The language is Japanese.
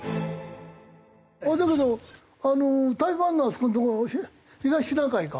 だけど台湾のあそこのとこ東シナ海か。